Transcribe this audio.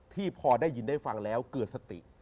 พอได้ยินได้ฟังแล้วเกิดสติ